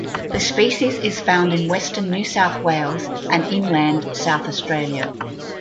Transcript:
The species is found in western New South Wales and inland South Australia.